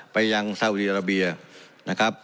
ไปยังเศรษฐรีระเบียนะครับ